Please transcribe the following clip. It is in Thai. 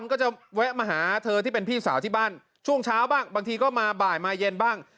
ก็จะแวะมาหาเธอที่เป็นพี่สาวที่บ้านช่วงเช้าบ้างบางทีก็มาบ่ายมาเย็นบ้าง